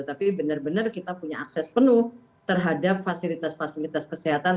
tapi benar benar kita punya akses penuh terhadap fasilitas fasilitas kesehatan